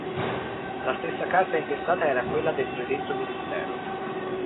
La stessa carta intestata era quella del predetto ministero.